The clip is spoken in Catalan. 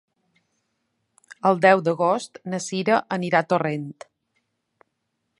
El deu d'agost na Sira anirà a Torrent.